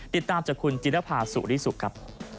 ติดตามจากคุณจิรภาสุริสุขครับ